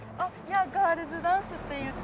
ガールズダンスっていって。